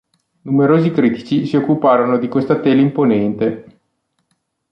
Numerosi critici si occuparono di questa tela imponente.